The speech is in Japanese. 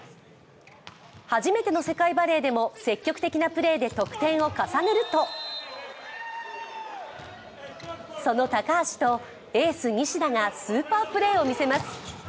初めての世界バレーでも積極的なプレーで得点を重ねるとその高橋とエース・西田がスーパープレーを見せます。